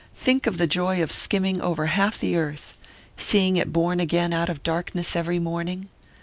Think of the joy of skimming over half the earth seeing it born again out of darkness every morning!